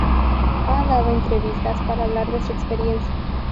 Ha dado entrevistas para hablar de su experiencia.